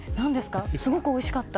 すごくおいしかった。